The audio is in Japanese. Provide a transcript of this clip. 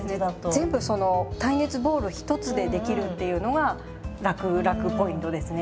全部その耐熱ボウル１つで出来るっていうのがラクラクポイントですね。